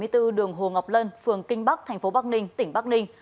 số bảy mươi bốn đường hồ ngọc lân phường kinh bắc thành phố bắc ninh tỉnh bắc ninh